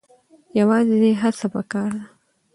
یوازې هڅه پکار ده.